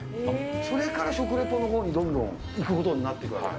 それから食リポのほうにどんどんいくことになっていくわけだ。